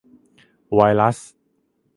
- ไวรัส